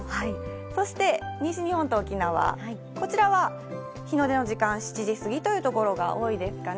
そして西日本と沖縄、こちらは、日の出の時間、７時過ぎという所が多いですかね。